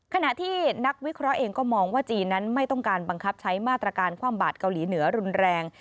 ขณะที่นักวิเคราะห์เองก็มองว่าจีนนั้นไม่ต้องการบังคับใช้มาตรการความบาดเกาหลีเหนือรุนแรง